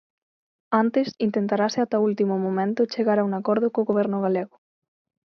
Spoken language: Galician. Antes, intentarase ata o último momento chegar a un acordo co Goberno galego.